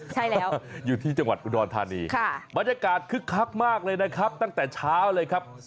ใช่แล้วอยู่ที่จังหวัดอุดรธานีบรรยากาศคึกคักมากเลยนะครับตั้งแต่เช้าเลยครับ